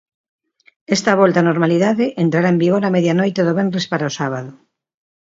Esta volta á normalidade entrará en vigor a medianoite do venres para o sábado.